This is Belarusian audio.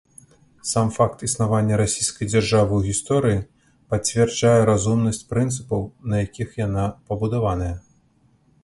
Сам факт існавання расійскай дзяржавы ў гісторыі пацвярджае разумнасць прынцыпаў, на якіх яна пабудаваная.